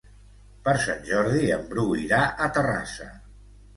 Per Sant Jordi en Bru irà a Terrassa.